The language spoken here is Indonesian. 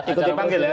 ikut dipanggil ya